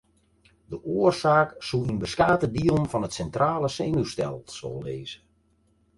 De oarsaak soe yn beskate dielen fan it sintrale senuwstelsel lizze.